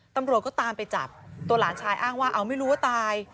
ตำรวจก็ตามไปจับตัวหลานชายอ้างว่าเอาไม่รู้ว่าตาย